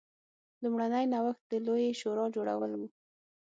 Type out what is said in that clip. لومړنی نوښت د لویې شورا جوړول و.